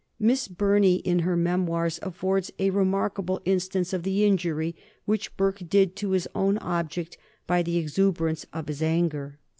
Miss Burney in her memoirs affords a remarkable instance of the injury which Burke did to his own object by the exuberance of his anger.